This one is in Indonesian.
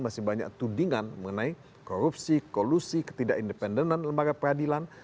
masih banyak tudingan mengenai korupsi kolusi ketidak independenan lembaga peradilan